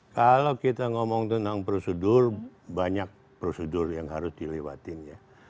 kalau kita ngomong tentang prosedur banyak prosedur yang harus dilewatin ya